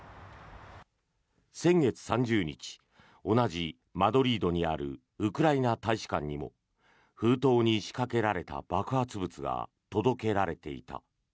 先月３０日同じマドリードにあるウクライナ大使館にも封筒に仕掛けられた爆発物が届けられていた。